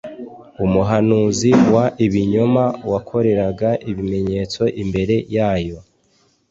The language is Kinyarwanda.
umuhanuzi w ibinyoma wakoreraga ibimenyetso imbere yayo